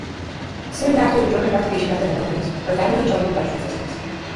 Soon after the German occupation of the Netherlands her family joined the Dutch resistance.